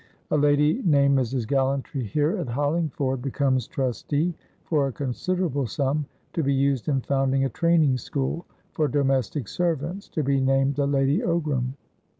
A lady named Mrs. Gallantry, here at Hollingford, becomes trustee for a considerable sum to be used in founding a training school for domestic servantsto be named the Lady Ogram.